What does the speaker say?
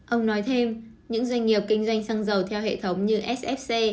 ông nói thêm những doanh nghiệp kinh doanh xăng dầu theo hệ thống như sfc